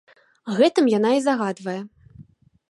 Гэтым яна і загадвае.